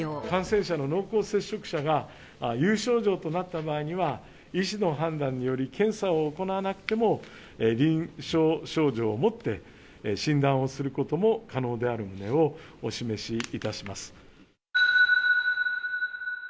感染者の濃厚接触者が有症状となった場合には、医師の判断により、検査を行わなくても、臨床症状をもって診断をすることも可能である旨をお示しいたします。